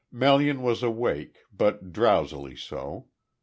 Melian was awake, but drowsily so.